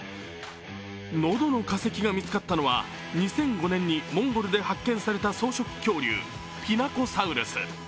のどの化石が見つかったのは２００５年にモンゴルで発見された草食恐竜・ピナコサウルス。